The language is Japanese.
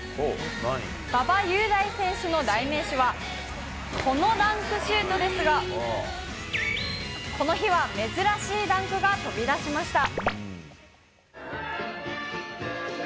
馬場雄大選手の代名詞は、このダンクシュートですが、この日は珍しいダンクが飛び出しました。